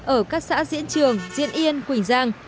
ở các xã diễn trường diễn yên quỳnh giang